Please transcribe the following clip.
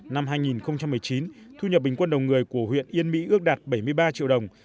năm hai nghìn một mươi chín thu nhập bình quân đầu người của huyện yên mỹ ước đạt bảy mươi ba triệu đồng